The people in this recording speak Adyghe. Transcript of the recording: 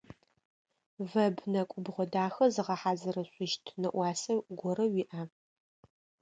Веб нэкӏубгъо дахэ зыгъэхьазырышъущт нэӏуасэ горэ уиӏа?